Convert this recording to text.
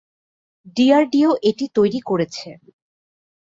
DRDO এটি তৈরি করেছে।